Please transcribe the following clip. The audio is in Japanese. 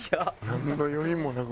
なんの余韻もなく。